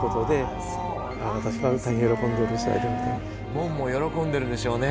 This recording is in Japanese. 門も喜んでるでしょうね。